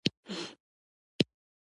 ځواک کولی شي جسم ودروي یا یې چټک کړي.